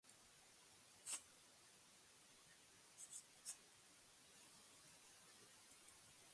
Plaza barruan, animaliak zuzenean sartu dira ukuiluetan.